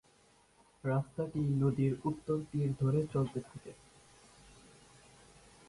রাস্তাটি নদীর উত্তর তীর ধরে চলতে থাকে।